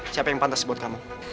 siapa yang pantas buat kamu